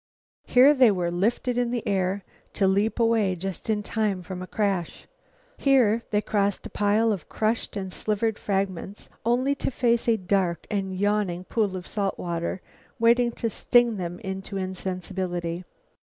Here they were lifted in air, to leap away just in time from a crash. Here they crossed a pile of crushed and slivered fragments only to face a dark and yawning pool of salt water waiting to sting them into insensibility.